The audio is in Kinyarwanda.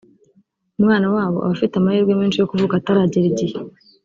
umwana wabo aba afite amahirwe menshi yo kuvuka atarageza igihe